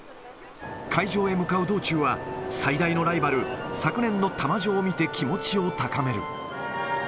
会場へ向かう道中は、最大のライバル、昨年の玉女を見て気持ちを高める。